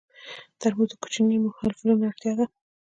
ترموز د کوچنیو محفلونو اړتیا ده.